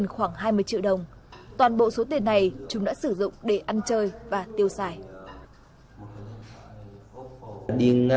khoảng hai mươi triệu đồng toàn bộ số tiền này chúng đã sử dụng để ăn chơi và tiêu xài